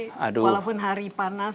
ini walaupun hari panas